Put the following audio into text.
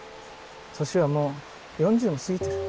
年はもう４０も過ぎてる。